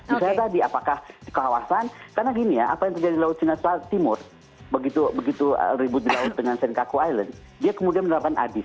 misalnya tadi apakah di kawasan karena gini ya apa yang terjadi di laut cina timur begitu ribut di laut dengan sencaku island dia kemudian menerapkan adi